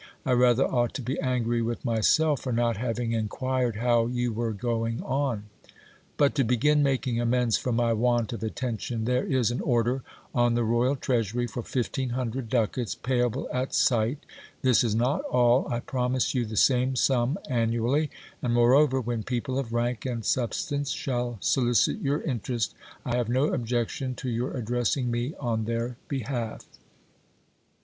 I rather ought to be angry with myself for not having inquired how you were going on. But to begin making amends for my want of attention, there is an order on the royal treasury for fifteen hundred ducats, payable at sight This is not all ; I promise you the same sum annually ; and moreover, when people of rank and substance shall solicit your interest, I have no objection to your ad dressing me on their behalf.